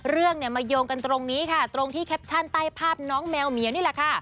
เรื่องเนี่ยมาโยงกันตรงนี้ค่ะตรงที่แคปชั่นใต้ภาพน้องแมวเหมียวนี่แหละค่ะ